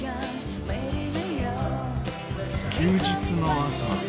休日の朝。